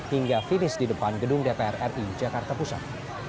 hingga finish di depan gedung dpr ri jakarta pusat